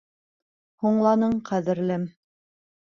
Һуңланың, ҡәҙерлем.